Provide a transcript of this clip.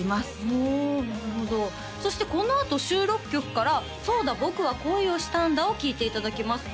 ほうなるほどそしてこのあと収録曲から「そうだ、僕は恋をしたんだ。」を聴いていただきます